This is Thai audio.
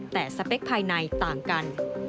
แต่สเปคภายในต่างกัน